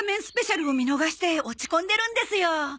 スペシャルを見逃して落ち込んでるんですよ。